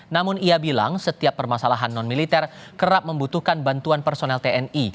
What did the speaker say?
namun ia bilang setiap permasalahan non militer kerap membutuhkan bantuan personel tni